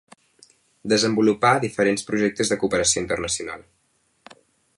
Desenvolupà diferents projectes de cooperació internacional.